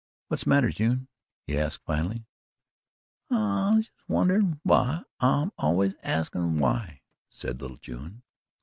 "What's the matter, June?" he asked finally. "I'm just wonderin' why I'm always axin' why," said little June.